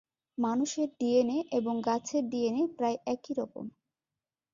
মানুষের ডিএনএ এবং গাছের ডিএনএ প্রায় একই রকম।